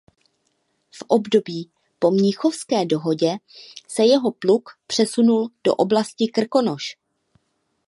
V období po Mnichovské dohodě se jeho pluk přesunul do oblasti Krkonoš.